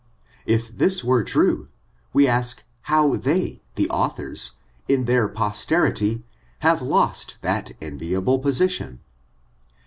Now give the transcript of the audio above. If this was true, we ask how they, the authors, in their posterity, have lost that en viable position